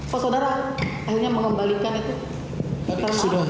kok saudara akhirnya mengembalikan itu